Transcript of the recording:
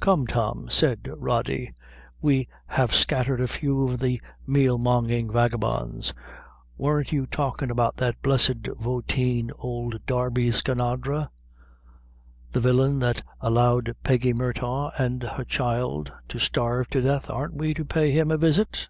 "Come, Tom," said Rody, "we have scattered a few of the meal mongin' vagabonds; weren't you talkin' about that blessed voteen, ould Darby Skinadre? The villain that allowed Peggy Murtagh an' her child to starve to death! Aren't we to pay him a visit?"